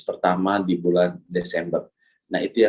pertama di bulan desember nah itu ya